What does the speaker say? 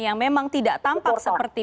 yang memang tidak tampak seperti